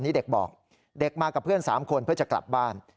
นี่เด็กบอกเด็กมากับเพื่อน๓คนเพื่อจะกลับบ้าน